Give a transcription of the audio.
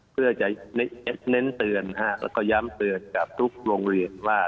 เพื่อจะเน้นเตือนแล้วก็ย้ำเตือนกับทุกโรงเรียนว่า